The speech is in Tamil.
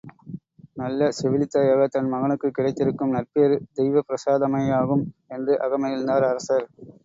நல்ல செவிலித்தாயாக தன் மகனுக்குக் கிடைத்திருக்கும் நற்பேறு தெய்வப்பிரசாதமேயாகும் என்று அகமகிழ்ந்தார் அரசர்!